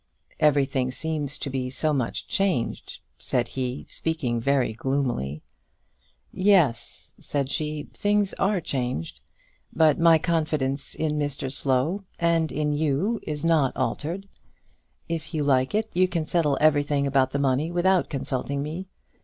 "Everything seems to be so much changed," said he, speaking very gloomily. "Yes," said she; "things are changed. But my confidence in Mr Slow, and in you, is not altered. If you like it, you can settle everything about the money without consulting me.